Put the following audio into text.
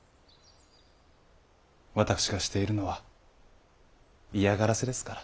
私がしているのは嫌がらせですから。